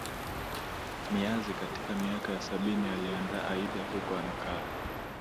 Niyazi katika miaka ya sabini aliandaa Aida huko Ankara